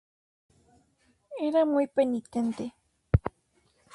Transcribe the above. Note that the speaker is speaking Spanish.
Era muy penitente.